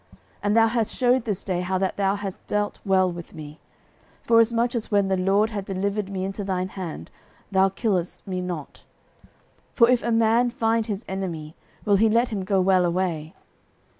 09:024:018 And thou hast shewed this day how that thou hast dealt well with me: forasmuch as when the LORD had delivered me into thine hand, thou killedst me not. 09:024:019 For if a man find his enemy, will he let him go well away?